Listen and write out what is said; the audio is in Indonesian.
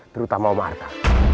terutama om arta